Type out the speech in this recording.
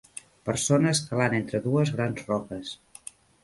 Persona escalant entre dues grans roques.